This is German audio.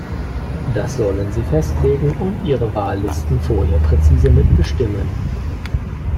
Das sollen sie festlegen und ihre Wahllisten vorher präzise mitbestimmen.